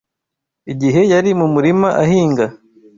igihe yari mu murima ahinga